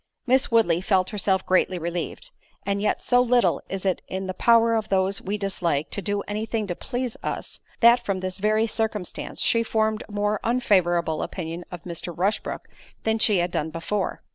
Miss Woodley felt herself greatly relieved; and yet so little is it in the power of those we dislike to do any thing to please us, that from this very circumstance, she formed a more unfavourable opinion of Mr. Rushbrook than she had done before.